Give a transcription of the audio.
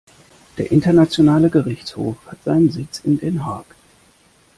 Der internationale Gerichtshof hat seinen Sitz in Den Haag.